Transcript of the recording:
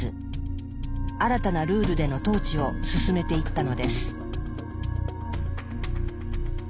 新たなルールでの統治を進めていったのです。